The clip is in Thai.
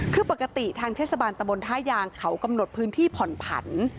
คือปกติทางเทศบาลตะบนท่ายางเขากำหนดพื้นที่ผ่อนผัน